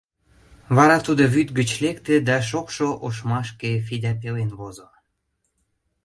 Вара тудо вӱд гыч лекте да шокшо ошмашке Федя пелен возо.